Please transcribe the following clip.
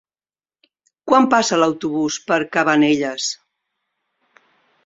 Quan passa l'autobús per Cabanelles?